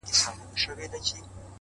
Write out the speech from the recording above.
• نه یوازي د دوی بله ډېوه مړه ده -